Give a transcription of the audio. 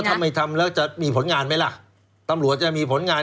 ทำไมทำแล้วจะมีผลงานไหมล่ะตำรวจจะมีผลงาน